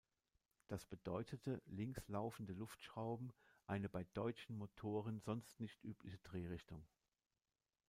Das bedeutete links laufende Luftschrauben, eine bei deutschen Motoren sonst nicht übliche Drehrichtung.